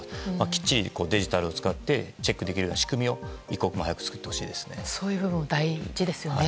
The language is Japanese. きっちりデジタルを使ってチェックできる仕組みを一刻も早く作ってほしいですね。